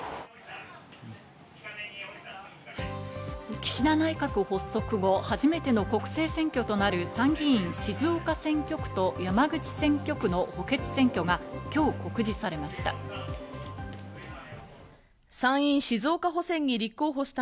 岸田内閣補足後、初めての国政選挙となる参議院静岡選挙区と山口選挙区の補欠選挙が今日、告示されました。